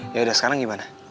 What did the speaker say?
yaudah sekarang gimana